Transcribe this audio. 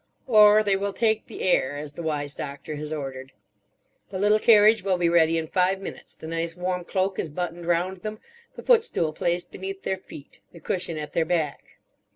Or they will take the air, as the wise doctor has ordered. The little carriage will be ready in five minutes; the nice warm cloak is buttoned round them, the footstool placed beneath their feet, the cushion at their back.